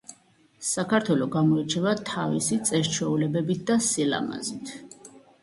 საქართელო გამოირჩევა თავისი წესჩვეულებებით და სიამაზით